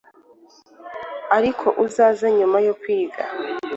ariko uzaza nyuma yo kwiga